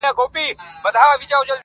چي اسمان پر تندي څه درته لیکلي.!